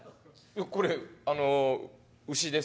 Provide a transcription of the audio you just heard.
これあの牛です。